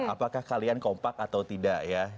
apakah kalian kompak atau tidak ya